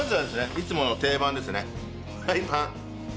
いつもの定番ですね。